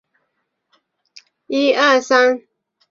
默弗里斯伯勒是一个位于美国阿肯色州派克县的城市。